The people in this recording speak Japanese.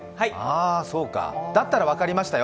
だったら分かりましたよ。